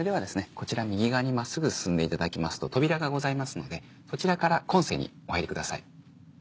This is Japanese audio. こちら右側に真っすぐ進んでいただきますと扉がございますのでそちらから今世にお入りください。